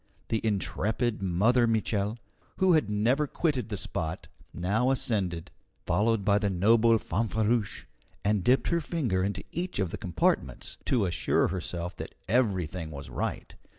The intrepid Mother Mitchel, who had never quitted the spot, now ascended, followed by the noble Fanfreluche, and dipped her finger into each of the compartments, to assure herself that everything was right.